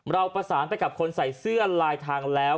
เราประสานไปกับคนใส่เสื้อลายทางแล้ว